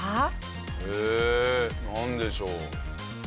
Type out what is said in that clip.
えなんでしょう？